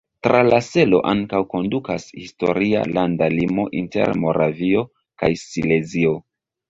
Tra la selo ankaŭ kondukas historia landa limo inter Moravio kaj Silezio.